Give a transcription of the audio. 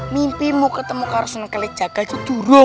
mimpimu ketemu karusunan keli caka itu turun